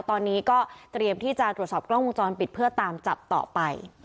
ตอนนี้ก็เตรียมที่จะตรวจสอบกล้องวงจรปิดเพื่อตามจับต่อไป